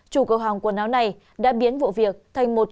chủ cửa hàng quần áo này đã biến vụ việc thành một